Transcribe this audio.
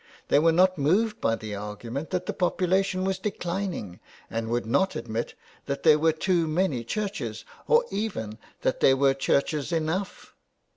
They were not moved by the argument that the population was declining and would not admit that there were too many churches or even that there were churches enough.